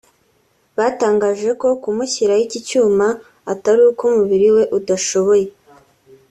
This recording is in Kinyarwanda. Batangaje ko kumushyiraho iki cyuma atari uko umubiri we udashoboye